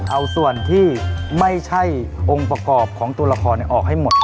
เอาส่วนที่ไม่ใช่องค์ประกอบของตัวละครออกให้หมด